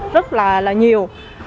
rất là nhiều